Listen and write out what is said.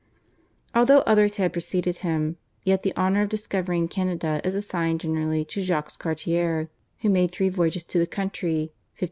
Although others had preceded him, yet the honour of discovering Canada is assigned generally to Jacques Cartier who made three voyages to the country (1534 42).